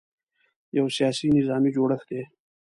یو سیاسي – نظامي جوړښت دی.